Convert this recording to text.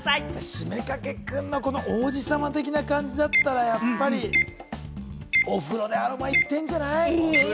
七五三掛くんの王子様的な感じだったら、やっぱりお風呂でアロマ、いってんじゃない？